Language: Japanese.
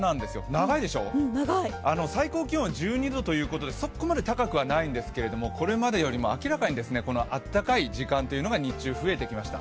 長いでしょ、最高気温は１２度ということでそこまで高くはないんですけれどもこれまでよりも明らかにあったかい時間が日中増えてきました。